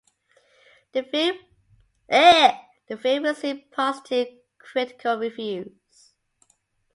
The film received positive critical reviews.